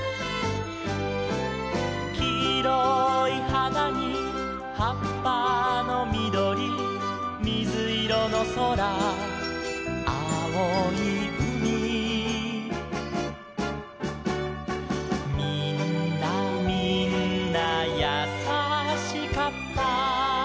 「きいろいはなにはっぱのみどり」「みずいろのそらあおいうみ」「みんなみんなやさしかった」